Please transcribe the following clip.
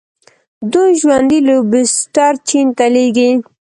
دوی ژوندي لوبسټر چین ته لیږي.